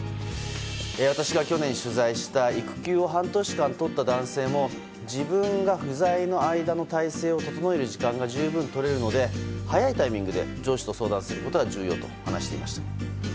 私が去年、取材した育休を半年間とった男性も自分が不在の間の態勢を整える時間が十分とれるので早いタイミングで上司と相談することが重要と話していました。